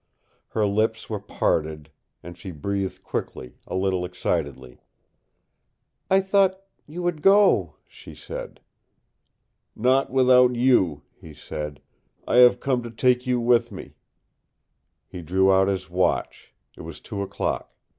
Her lips were parted, and she breathed quickly, a little excitedly. "I thought you would go!" she said. "Not without you," he said. "I have come to take you with me." He drew out his watch. It was two o'clock.